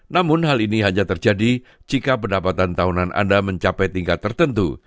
namun hal ini hanya terjadi jika pendapatan tahunan anda mencapai tingkat tertentu